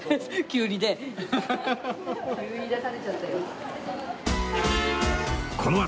急に出されちゃったよ。